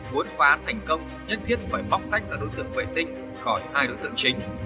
bốn phá án thành công nhất thiết phải móc tách vào đối tượng vệ tinh khỏi hai đối tượng chính